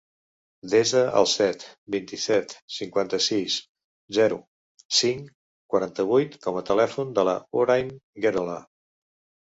Desa el set, vint-i-set, cinquanta-sis, zero, cinc, quaranta-vuit com a telèfon de la Hoorain Guerola.